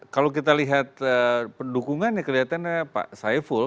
kalau kita lihat pendukungannya kelihatannya pak saipula